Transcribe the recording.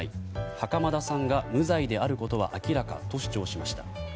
袴田さんが無罪であることは明らかと主張しました。